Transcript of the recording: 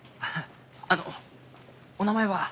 あのお名前は？